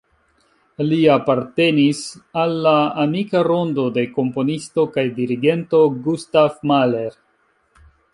Li apartenis al la amika rondo de komponisto kaj dirigento Gustav Mahler.